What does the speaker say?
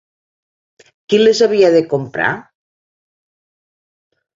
Qui les havia de comprar?